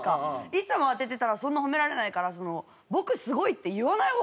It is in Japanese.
いつも当ててたらそんな褒められないから「僕すごい」って言わない方がいいよ